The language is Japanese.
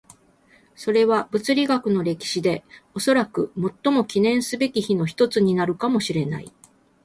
それは物理学の歴史でおそらく最も記念すべき日の一つになるかもしれない。